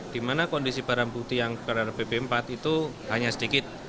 di mana kondisi barang bukti yang berada di bb empat itu hanya sedikit